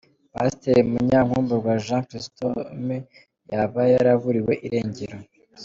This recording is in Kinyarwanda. Pasteur Munyankumburwa Jean Chrisostome yaba yaraburiwe irengero.